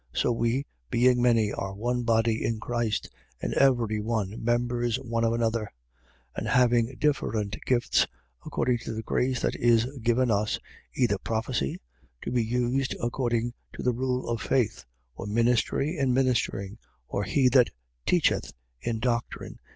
So we, being many, are one body in Christ; and every one members one of another: 12:6. And having different gifts, according to the grace that is given us, either prophecy, to be used according to the rule of faith; 12:7. Or ministry, in ministering; or he that teacheth, in doctrine; 12:8.